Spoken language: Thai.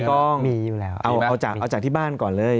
เขาเรียกว่าไล่กล้องเอาจากที่บ้านก่อนเลย